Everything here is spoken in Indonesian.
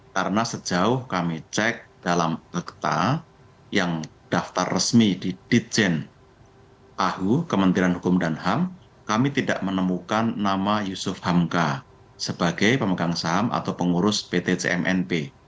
karena sejauh kami cek dalam dekta yang daftar resmi di dijen ahu kementerian hukum dan ham kami tidak menemukan nama yusuf hamka sebagai pemegang saham atau pengurus pt cmnp